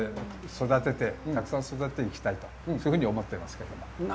たくさん育てていきたいとそういうふうに思ってますけれども。